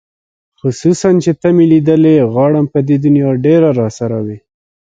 خصوصاً چې ته مې لیدلې غواړم په دې دنیا ډېره راسره وې